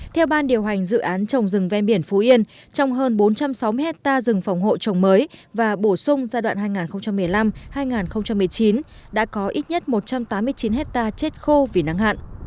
theo ban điều hành dự án trồng rừng ven biển phú yên trồng hơn bốn trăm sáu mươi hectare rừng phòng hộ trồng mới và bổ sung giai đoạn hai nghìn một mươi năm hai nghìn một mươi chín đã có ít nhất một trăm tám mươi chín hectare chết khô vì nắng hạn